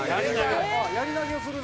「あっやり投げをするの？」